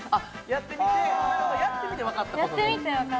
やってみてわかった事？